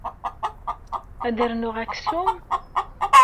Ad rnuɣ aksum?